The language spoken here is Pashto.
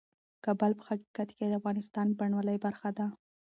کابل په حقیقت کې د افغانستان د بڼوالۍ برخه ده.